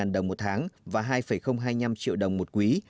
bảy trăm năm mươi đồng một tháng và hai hai mươi năm triệu đồng một quý